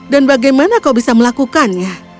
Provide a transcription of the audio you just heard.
dan bagaimana kau bisa melakukannya